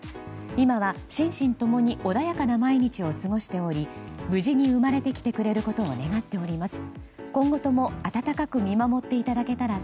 今は心身共に穏やかな毎日を過ごしており無事に生まれてきてくれることを願っております。